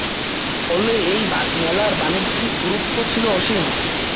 ফলে এই মেলার বাণিজ্যিক গুরুত্ব ছিল অসীম।